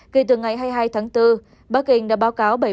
kể từ ngày hai mươi hai tháng bốn bắc kinh đã báo cáo